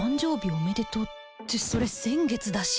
おめでとうってそれ先月だし